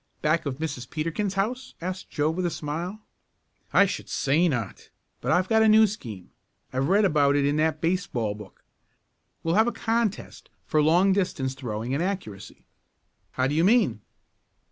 "Back of Mrs. Peterkin's house?" asked Joe with a smile. "I should say not! But I've got a new scheme. I read about it in that baseball book. We'll have a contest for long distance throwing and accuracy." "How do you mean?"